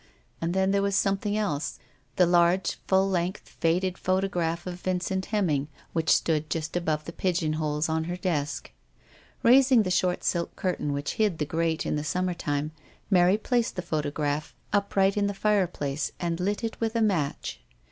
And then, there was something else — the large, full length, faded photograph of Vincent Hemming, which stood just above the pigeonholes on her desk Raising the short silk curtain which hid the grate in the summertime, Mary placed the photograph upright in the fire place, and lit it with a match.